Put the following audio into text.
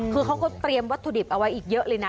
คือเขาก็เตรียมวัตถุดิบเอาไว้อีกเยอะเลยนะ